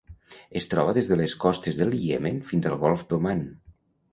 Es troba des de les costes del Iemen fins al Golf d'Oman.